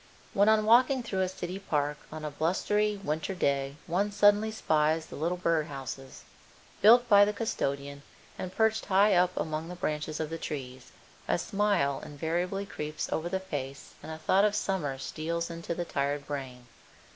When on walking through a city park on a blustery winter day one suddenly spies the little bird houses, built by the custodian and perched high up among the branches of the trees, a smile invariably creeps over the face and a thought of summer steals into the tired brain.